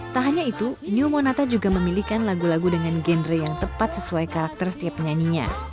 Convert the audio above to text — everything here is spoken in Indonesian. tak hanya itu new monata juga memilihkan lagu lagu dengan genre yang tepat sesuai karakter setiap penyanyinya